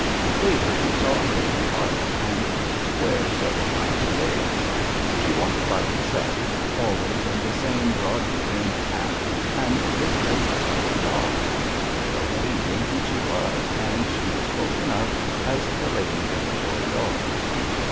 Later he saw her in the park and in the square several times a day. She walked by herself, always in the same broad brimmed hat, and with this white dog. Nobody knew who she was, and she was spoken of as the lady with the toy dog.